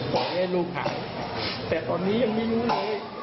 ตอนนี้ลูกขายแต่ตอนนี้ยังมีอยู่นะ